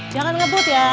jangan ngebut ya